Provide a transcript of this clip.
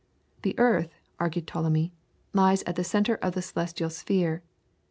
The earth, argued Ptolemy, lies at the centre of the celestial sphere.